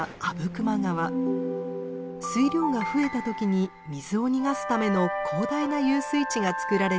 水量が増えた時に水を逃がすための広大な遊水池がつくられています。